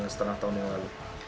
setengah tahun yang lalu